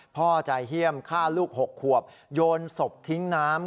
พ่อใจเฮี่ยมฆ่าลูก๖ขวบโยนศพทิ้งน้ำ